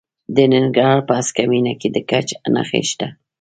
د ننګرهار په هسکه مینه کې د ګچ نښې شته.